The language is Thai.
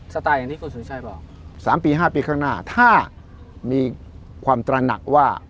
ไตล์อย่างที่คุณสุชัยบอก๓ปี๕ปีข้างหน้าถ้ามีความตระหนักว่า